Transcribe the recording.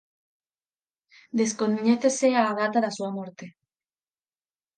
Descoñécese a dta da súa morte.